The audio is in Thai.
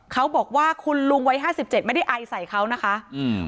เขาบอกว่าคุณลุงวัยห้าสิบเจ็ดไม่ได้ไอใส่เขานะคะอืม